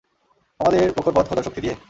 আমাদের প্রখর পথ খোঁজার শক্তি দিয়ে?